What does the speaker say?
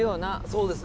そうです。